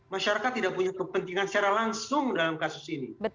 masyarakat tidak punya kepentingan secara langsung dalam kasus ini